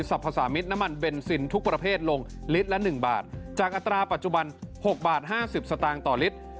สรรพสามิดน้ำมันเบนซินทุกประเภทลงลิตรและหนึ่งบาทจากอัตราปัจจุบันหกบาทห้าสิบสตางค์ต่อลิตร